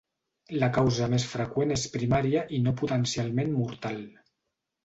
La causa més freqüent és primària i no potencialment mortal.